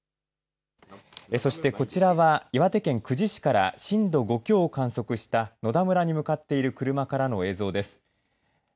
そしてこちらは岩手県久慈市から震度５強を観測した野田村に向かっている車からの映像です。